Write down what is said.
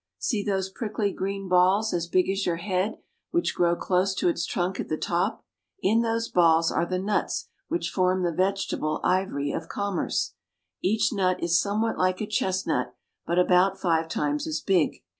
See those prickly green balls, as big as your head, which grow close to its trunk at the top. In those balls are the nuts which form the vegetable ivory of com merce. Each nut is somewhat like a chestnut, but about five times as big.